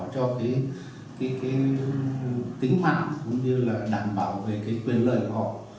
với việc đảm bảo cho tính mạng đảm bảo về quyền lợi của họ